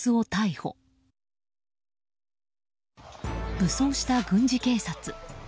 武装した軍事警察。